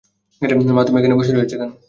মা, তুমি এখানে বসে রয়েছো কেন?